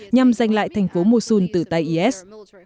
nhằm giành lại thành phố mosul từ tại is